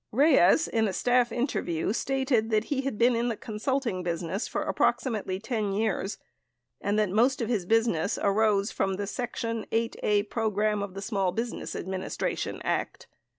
82 Reyes, in a staff interview, stated that he had been in the consult ing business for approximately 10 years, and that most of his business arose from the section 8(a) program of the Small Business Adminis tration Act.